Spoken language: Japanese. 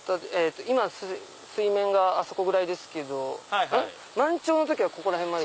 今水面があそこぐらいですけど満潮の時はここら辺まで？